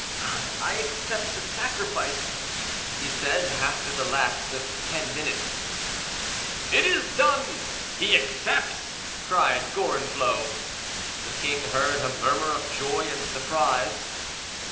"I accept the sacrifice," he said, after the lapse of ten minutes. "It is done he accepts!" cried Gorenflot. The king heard a murmur of joy and surprise.